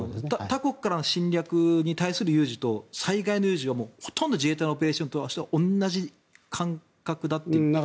他国からの侵略に対する有事と災害の有事はほとんど自衛隊のオペレーションとしては同じ感覚だという。